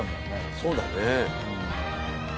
そうだね。